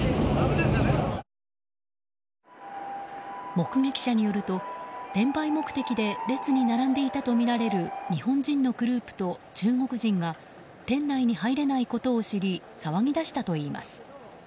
目撃者によると転売目的で列に並んでいたとみられる日本人のグループと中国人が店内に入れないことを知り騒ぎ出したといいます。